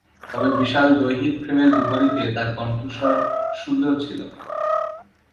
তাঁর বিশাল দৈহিক ফ্রেমের বিপরীতে তার কণ্ঠস্বর সুন্দর ছিল।